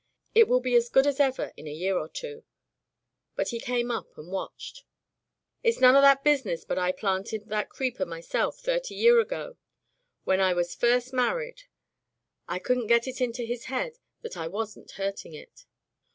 It will be as good as ever in a year or two; but he came up and watched. 'It's none of my business, but I planted that creeper myself, thirty year ago, when I was first married.' I couldn't get it into his head that I wasn't hurting it."